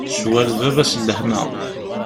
Ccwal d baba-s n lehna.